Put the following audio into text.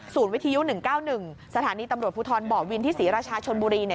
วิทยุ๑๙๑สถานีตำรวจภูทรบ่อวินที่ศรีราชาชนบุรีเนี่ย